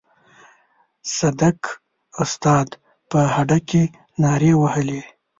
صدک استاد په هډه کې نارې وهلې.